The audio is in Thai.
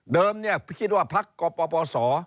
เดิมเนี่ยพี่คิดว่าพักกพศ